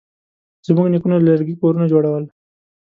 زموږ نیکونه له لرګي کورونه جوړول.